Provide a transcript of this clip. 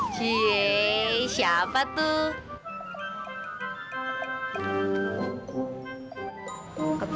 cieee siapa tuh yang nungguin lo